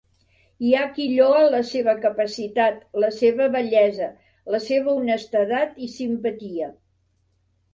Hi ha qui lloa la seva capacitat, la seva bellesa, la seva honestedat i simpatia.